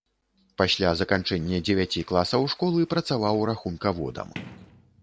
Пасля заканчэння дзевяці класаў школы працаваў рахункаводам.